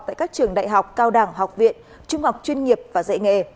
tại các trường đại học cao đẳng học viện trung học chuyên nghiệp và dạy nghề